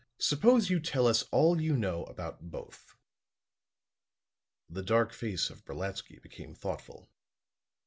Suppose you tell us all you know about both." The dark face of Brolatsky became thoughtful.